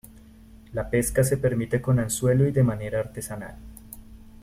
La pesca se permite con anzuelo y de manera artesanal.